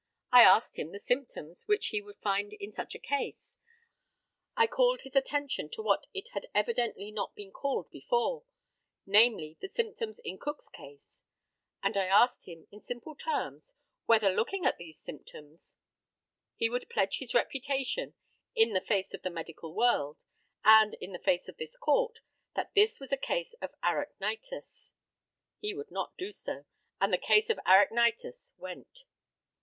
I asked him the symptoms which he would find in such a case. I called his attention to what it had evidently not been called before namely, the symptoms in Cook's case; and I asked him, in simple terms, whether, looking at these symptoms, he would pledge his reputation, in the face of the medical world, and in the face of this court, that this was a case of arachnitis. He would not do so, and the case of arachnitis went.